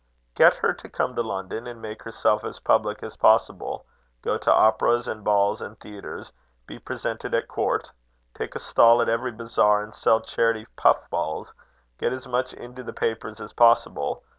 "Get her to come to London, and make herself as public as possible: go to operas and balls, and theatres; be presented at court; take a stall at every bazaar, and sell charity puff balls get as much into the papers as possible.